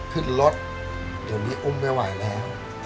ขึ้นรถเดี๋ยวนี้อุ้มไม่ไหวแล้ว